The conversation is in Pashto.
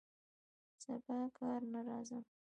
سبا کار ته راځم